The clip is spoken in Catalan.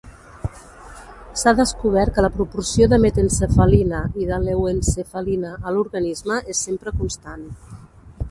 S'ha descobert que la proporció de met-encefalina i de leu-encefalina a l'organisme és sempre constant.